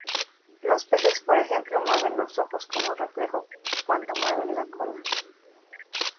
Los peces, por ejemplo, mueven sus ojos como reflejo cuando mueven la cola.